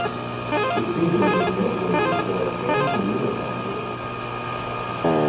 This season is noteworthy for a change in uniform rules.